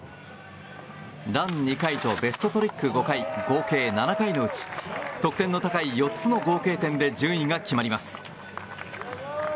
ラン２回とベストトリック５回合計７回のうち得点の高い４つの合計点で順位が決まります。